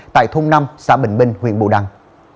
tại thôn năm xã bình minh huyện bù đăng